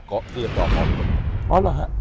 เกาะเกือบต่อของคน